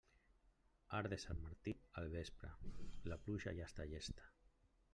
Arc de Sant Martí al vespre, la pluja ja està llesta.